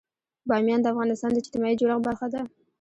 بامیان د افغانستان د اجتماعي جوړښت برخه ده.